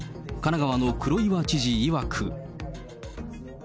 神奈川の黒岩知事いわく。